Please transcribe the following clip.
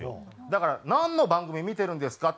だから「なんの番組見てるんですか？」